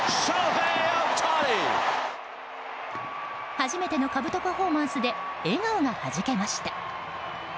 初めてのかぶとパフォーマンスで笑顔がはじけ出しました。